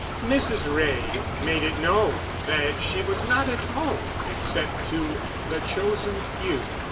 Mrs. Wray had made it known that she was not at home except to the chosen few.